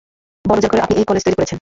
বন উজাড় করে আপনি এই কলেজ তৈরি করেছেন।